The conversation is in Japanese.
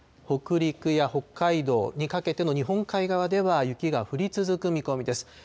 北陸や北海道にかけての日本海側では雪が降り続く見込みです。